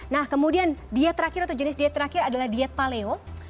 nah kemudian diet terakhir atau jenis diet terakhir adalah diet paleo